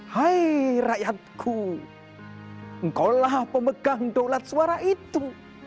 hai rakyatku engkau lah pemegang daulat suara itu